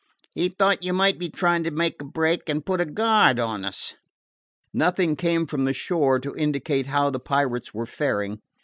He thought you might be trying to make a break, and put a guard on us." Nothing came from the shore to indicate how the pirates were faring.